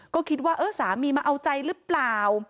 ก็คิดว่าเออสามีมาเอาใจหรือเปล่า